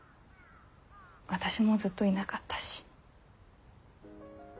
私もずっといなかったし。